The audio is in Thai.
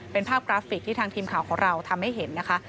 เป็นภาพกราฟิกที่ทางทีมข่าวของเราทำให้เห็นนะคะ